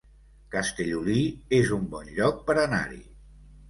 Castellolí es un bon lloc per anar-hi